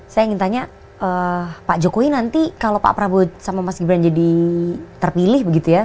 saya ingin tanya pak jokowi nanti kalau pak prabowo sama mas gibran jadi terpilih begitu ya